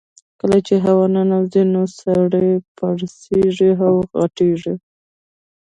کله چې هوا ننوځي نو سږي پړسیږي او غټیږي